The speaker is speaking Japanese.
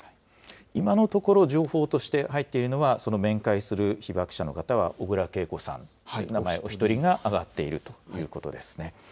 今のところ、情報として入っているのは、面会する被爆者の方はおぐらけいこさん、名前お１人が挙がっているということですね。